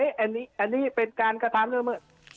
แต่ถ้าไปวินิจฉัยว่านี้เป็นการกระทำด้วยไม่